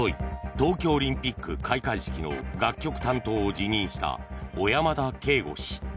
東京オリンピック開会式の楽曲担当を辞任した小山田圭吾氏。